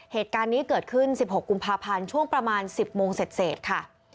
เหตุการณ์นี้เกิดขึ้น๑๖กุมภาพันธ์ช่วงประมาณ๑๐โมงเสร็จค่ะ